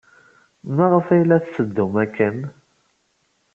Maɣef ay la tetteddum akken?